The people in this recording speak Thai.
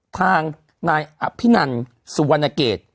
ทางนายอภินันสุวรรณเกต